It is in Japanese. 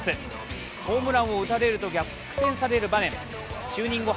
ホームランを打たれると逆転される場面、就任後